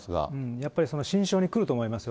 やっぱり心証にくると思いますよ。